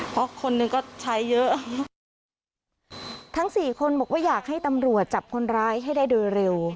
เพราะคนหนึ่งก็ใช้เยอะทั้งสี่คนบอกว่าอยากให้ตำรวจจับคนร้ายให้ได้โดยเร็ว